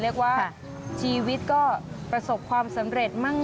เรียกว่าชีวิตก็ประสบความสำเร็จมั่ง